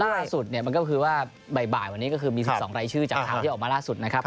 ล่าสุดมันก็คือว่าใบบ่ายวันนี้ก็คือมีส่วนสองไร้ชื่อจากทางที่ออกมาล่าสุดนะครับ